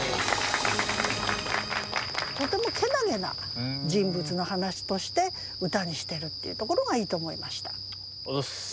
とてもけなげな人物の話として歌にしてるっていうところがいいと思いました。